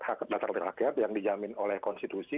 hak dasar oleh rakyat yang dijamin oleh konstitusi